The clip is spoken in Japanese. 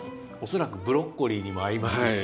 恐らくブロッコリーにも合いますし。